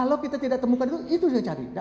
kalau kita tidak temukan itu itu sudah cari